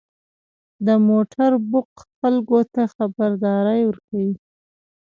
• د موټر بوق خلکو ته خبرداری ورکوي.